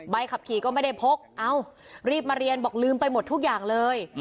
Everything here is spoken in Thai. ขับขี่ก็ไม่ได้พกเอ้ารีบมาเรียนบอกลืมไปหมดทุกอย่างเลย